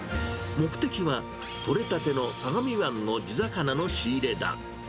目的は取れたての相模湾の地魚の仕入れだ。